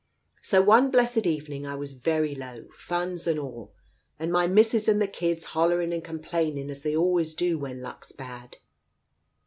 So one blessed evening I was very low — funds and all, and my missus and the kids hollering and complaining as they always do when luck's bad.